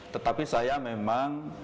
tetapi saya memang